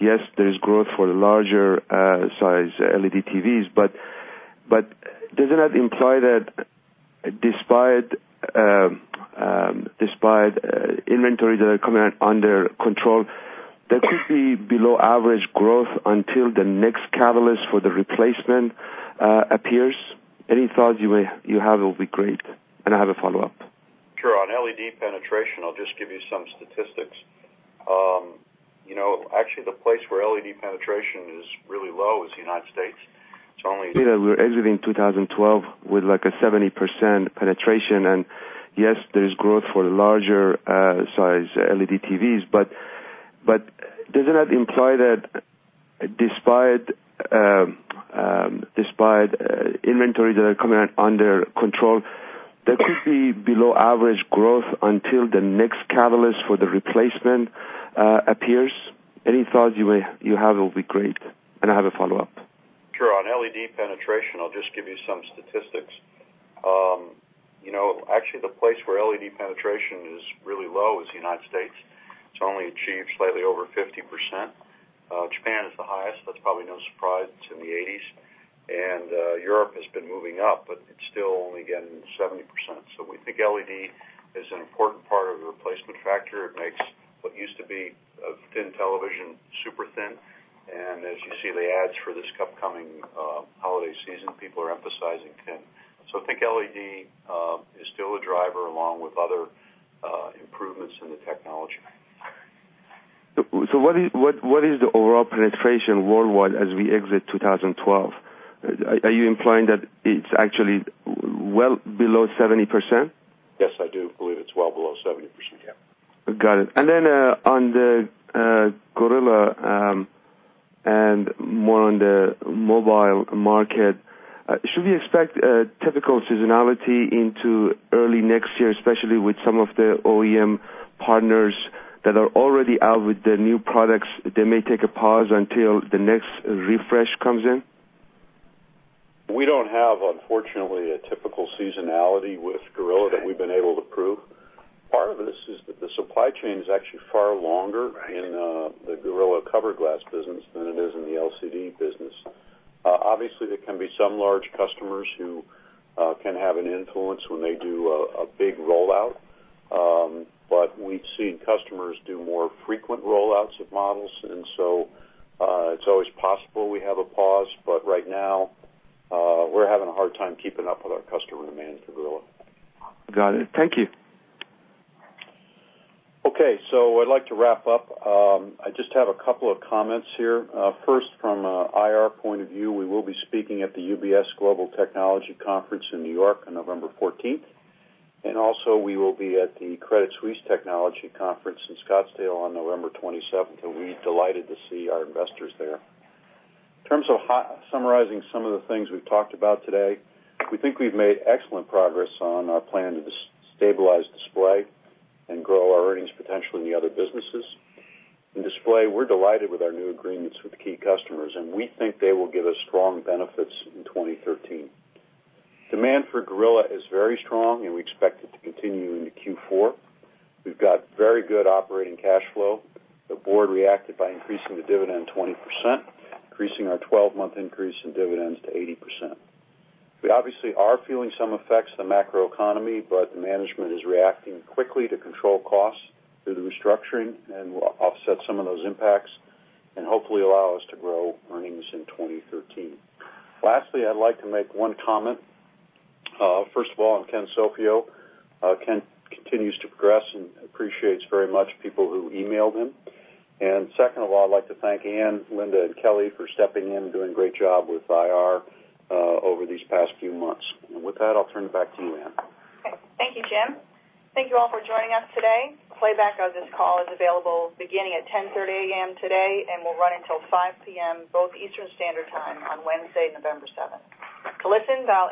Yes, there's growth for the larger size LED TVs. Does that not imply that despite inventories that are coming under control, there could be below average growth until the next catalyst for the replacement appears? Any thoughts you have will be great. I have a follow-up. Sure. On LED penetration, I'll just give you some statistics. Actually, the place where LED penetration is really low is the U.S. It's only achieved slightly over 50%. Japan is the highest. That's probably no surprise. It's in the eighties. Europe has been moving up, but it's still only getting 70%. We think LED is an important part of the replacement factor. It makes what used to be a thin television super thin. As you see the ads for this upcoming holiday season, people are emphasizing thin. I think LED is still a driver along with other improvements in the technology. What is the overall penetration? We're exiting 2012 with like a 70% penetration. Yes, there's growth for the larger size LED TVs. Does that not imply that despite inventories that are coming under control, there could be below average growth until the next catalyst for the replacement appears? Any thoughts you have will be great. I have a follow-up. Sure. On LED penetration, I'll just give you some statistics. Actually, the place where LED penetration is really low is the U.S. We're exiting 2012 with a 70% penetration. Yes, there's growth for the larger size LED TVs, does that not imply that despite inventories that are coming under control, there could be below average growth until the next catalyst for the replacement appears? Any thoughts you have will be great. I have a follow-up. Sure. On LED penetration, I'll just give you some statistics. Actually the place where LED penetration is really low is the U.S. It's only achieved slightly over 50%. Japan is the highest. That's probably no surprise. It's in the 80s. Europe has been moving up, but it's still only getting 70%. We think LED is an important part of the replacement factor. It makes what used to be a thin television super thin. As you see the ads for this upcoming holiday season, people are emphasizing thin. I think LED is still a driver along with other improvements in the technology. What is the overall penetration worldwide as we exit 2012? Are you implying that it's actually well below 70%? Yes, I do believe it's well below 70%, yeah. Got it. Then on the Gorilla and more on the mobile market, should we expect typical seasonality into early next year, especially with some of the OEM partners that are already out with their new products? They may take a pause until the next refresh comes in. We don't have, unfortunately, a typical seasonality with Gorilla that we've been able to prove. Part of this is that the supply chain is actually far longer in the Gorilla cover glass business than it is in the LCD business. Obviously, there can be some large customers who can have an influence when they do a big rollout. We've seen customers do more frequent rollouts of models, so it's always possible we have a pause, but right now we're having a hard time keeping up with our customer demand for Gorilla. Got it. Thank you. Okay. I'd like to wrap up. I just have a couple of comments here. First, from an IR point of view, we will be speaking at the UBS Global Technology Conference in New York on November 14th, also we will be at the Credit Suisse Technology Conference in Scottsdale on November 27th, we're delighted to see our investors there. In terms of summarizing some of the things we've talked about today, we think we've made excellent progress on our plan to stabilize display and grow our earnings potential in the other businesses. In display, we're delighted with our new agreements with key customers, and we think they will give us strong benefits in 2013. Demand for Gorilla is very strong, we expect it to continue into Q4. We've got very good operating cash flow. The board reacted by increasing the dividend 20%, increasing our 12-month increase in dividends to 80%. We obviously are feeling some effects of the macroeconomy, but management is reacting quickly to control costs through the restructuring and will offset some of those impacts and hopefully allow us to grow earnings in 2013. Lastly, I'd like to make one comment. First of all, on Ken Sofio. Ken continues to progress and appreciates very much people who email him. Second of all, I'd like to thank Ann, Linda, and Kelly for stepping in and doing a great job with IR over these past few months. With that, I'll turn it back to you, Ann. Thank you, Jim. Thank you all for joining us today. A playback of this call is available beginning at 10:30 A.M. today and will run until 5:00 P.M., both Eastern Standard Time on Wednesday, November 7th. To listen, dial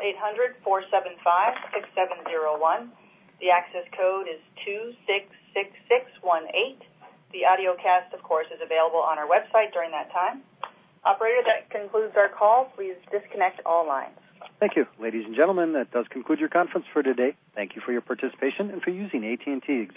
800-475-6701. The access code is 266618. The audiocast, of course, is available on our website during that time. Operator, that concludes our call. Please disconnect all lines. Thank you. Ladies and gentlemen, that does conclude your conference for today. Thank you for your participation and for using AT&T executive.